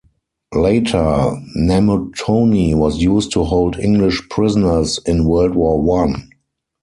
Later Namutoni was used to hold English prisoners in World War One.